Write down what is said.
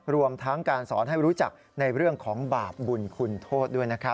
รวมทั้งการสอนให้รู้จักในเรื่องของบาปบุญคุณโทษด้วยนะครับ